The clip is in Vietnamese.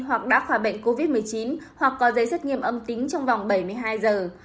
hoặc đã khỏi bệnh covid một mươi chín hoặc có giấy xét nghiệm âm tính trong vòng bảy mươi hai giờ